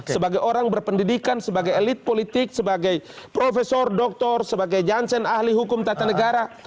sebagai orang berpendidikan sebagai elit politik sebagai profesor doktor sebagai jansen ahli hukum tata negara